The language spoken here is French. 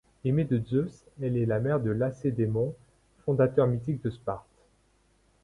Aimée de Zeus, elle est la mère de Lacédémon, fondateur mythique de Sparte.